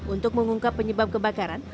untuk mengungkap penyebab kebakaran